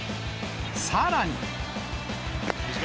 さらに。